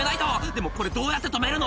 でもこれどうやって止めるの？」